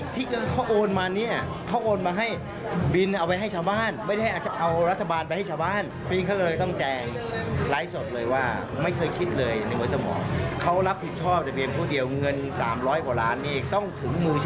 ทำงานกันนอนกันตี๒๓ก็คือ